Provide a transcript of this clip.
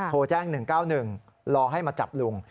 โทรแจ้ง๑๙๑รอให้มาจับลุง